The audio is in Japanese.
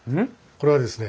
これはですね